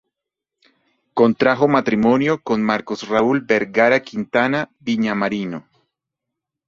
Contrajo matrimonio con Marcos Raúl Vergara Quintana, viñamarino.